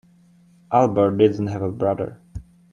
Albert didn't have a brother.